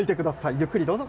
ゆっくりどうぞ。